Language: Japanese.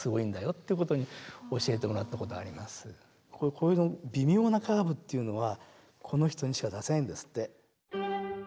これの微妙なカーブっていうのはこの人にしか出せないんですって。